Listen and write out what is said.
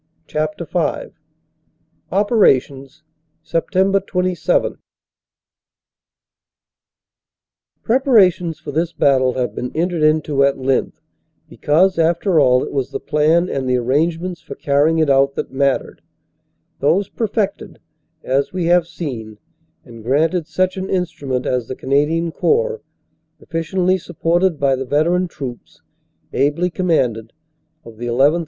CHAPTER V OPERATIONS: SEPT. 27 PREPARATIONS for this battle have been entered into at length because after all it was the plan and the arrange ments for carrying it out that mattered ; those perfected, as we have seen, and granted such an instrument as the Cana dian Corps, efficiently supported by the veteran troops, ably commanded, of the llth.